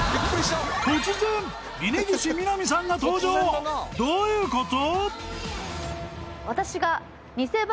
突然峯岸みなみさんが登場どういうこと？